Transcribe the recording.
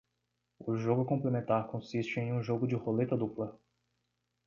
O jogo complementar consiste em um jogo de roleta dupla.